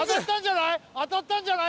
当たったんじゃない？